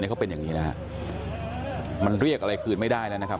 เขาเป็นอย่างนี้นะฮะมันเรียกอะไรคืนไม่ได้แล้วนะครับ